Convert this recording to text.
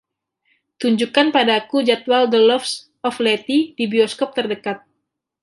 tunjukkan padaku jadwal The Loves of Letty di bioskop terdekat